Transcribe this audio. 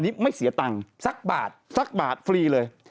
อันนี้ไม่เสียเงินสักบาทฝรือเลี่ยงค่ะ